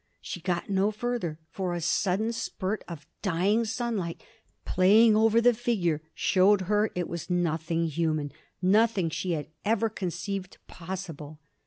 She got no further, for a sudden spurt of dying sunlight, playing over the figure, showed her it was nothing human, nothing she had ever conceived possible.